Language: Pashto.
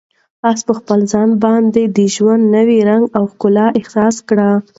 آس په خپل ځان باندې د ژوند نوی رنګ او ښکلا احساس کړه.